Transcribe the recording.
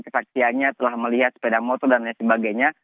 kesaksiannya telah melihat sepeda motor dan lain sebagainya